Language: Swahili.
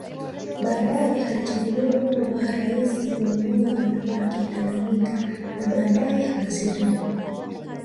Baadae alichaguliwa kuwa Rais wa Umoja wa wanawake Tanganyika na baadae Waziri